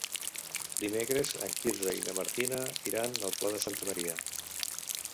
Dimecres en Quirze i na Martina iran al Pla de Santa Maria.